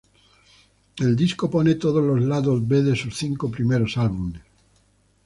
El disco pone todos los Lados B de sus cinco primeros álbumes.